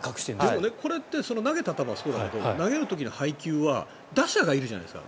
これって投げた球、そうだけど投げる時の配球は打者がいるじゃないですか。